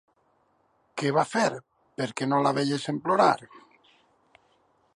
Què va fer, perquè no la veiessin plorar?